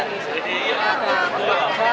masih luar biasa